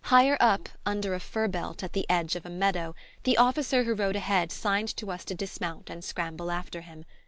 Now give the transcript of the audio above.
Higher up, under a fir belt, at the edge of a meadow, the officer who rode ahead signed to us to dismount and scramble after him.